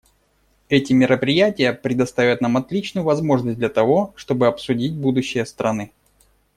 Эти мероприятия предоставят нам отличную возможность для того, чтобы обсудить будущее страны.